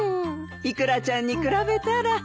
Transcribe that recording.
イクラちゃんに比べたら。